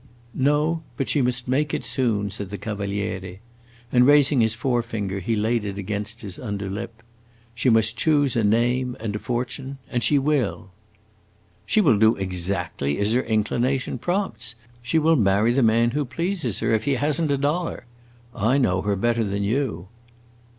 "No, but she must make it soon," said the Cavaliere. And raising his forefinger, he laid it against his under lip. "She must choose a name and a fortune and she will!" "She will do exactly as her inclination prompts! She will marry the man who pleases her, if he has n't a dollar! I know her better than you."